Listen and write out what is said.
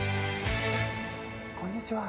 こんにちは。